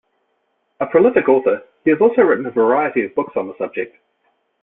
A prolific author, he has also written a variety of books on the subject.